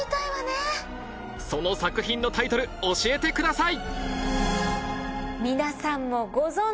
その作品のタイトル教えてください